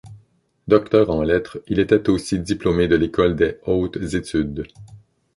Docteur en Lettres, il était aussi diplômé de l’École des Hautes Études.